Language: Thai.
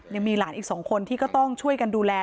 ยังมีหลานอีก๒คนที่ก็ต้องช่วยกันดูแล